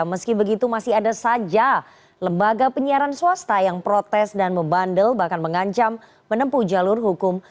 meski begitu masih ada saja lembaga penyiaran swasta yang protes dan membandel bahkan mengancam menempuh jalur hukum